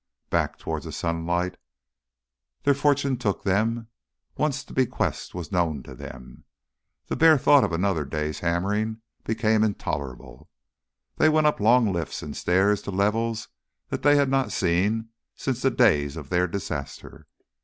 Back towards the sunlight their fortune took them; once the bequest was known to them, the bare thought of another day's hammering became intolerable. They went up long lifts and stairs to levels that they had not seen since the days of their disaster.